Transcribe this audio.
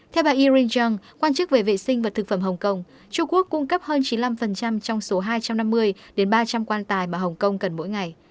theo bà yirin zhang quan chức về vệ sinh và thực phẩm hong kong trung quốc cung cấp hơn chín mươi năm trong số hai trăm năm mươi ba trăm linh quan tài mà hong kong cần mỗi ngày